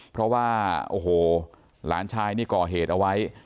เพราะว่าโอ้โหหลานชายนี่ก่อเหตุเอาไว้